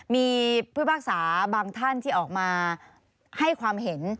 มีผู้พิพากษาบางท่านที่ออกมาให้ความเห็น